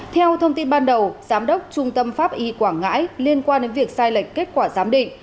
theo thông tin ban đầu giám đốc trung tâm pháp y quảng ngãi liên quan đến việc sai lệch kết quả giám định